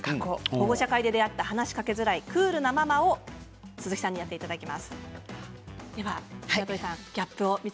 保護者会で出会った話しかけづらいクールなママを鈴木さんにやってもらいます。